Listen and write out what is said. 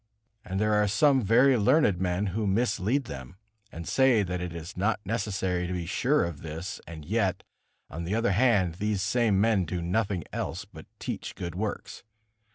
And there are some very learned men, who mislead them, and say that it is not necessary to be sure of this; and yet, on the other hand, these same men do nothing else but teach good works.